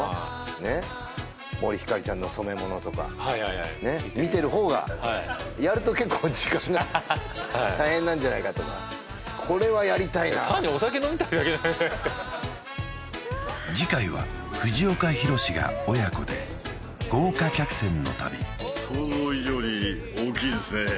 ねっはい森星ちゃんの染め物とかはいはいはい見てる方がはいやると結構時間が大変なんじゃないかとかこれはやりたいな単にお酒飲みたいだけじゃないですか次回は藤岡弘、が親子で豪華客船の旅想像以上に大きいですね